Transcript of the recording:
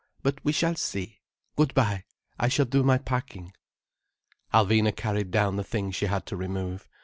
But we shall see. Good bye. I shall do my packing." Alvina carried down the things she had to remove.